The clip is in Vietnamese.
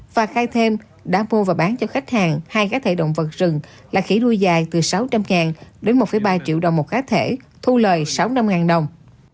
và khai thêm đã mua và bán cho khách hàng hai cá thể động vật rừng là khỉ đuôi dài từ sáu trăm linh đến một ba triệu đồng một cá thể thu lời sáu năm đồng